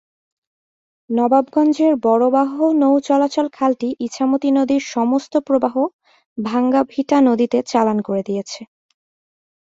নবাবগঞ্জের বররাহ নৌ চলাচল খালটি ইছামতি নদীর সমস্ত প্রবাহ ভাঙ্গাভিটা নদীতে চালান করে দিয়েছে।